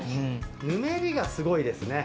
ぬめりがすごいですね。